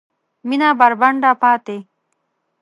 مېنه بربنډه پاته